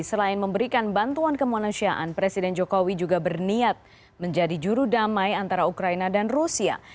selain memberikan bantuan kemanusiaan presiden jokowi juga berniat menjadi juru damai antara ukraina dan rusia